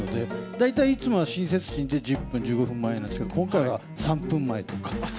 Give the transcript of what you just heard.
大体いつもは親切心で１０分、１５分前なんですけど、今回は３分前とか。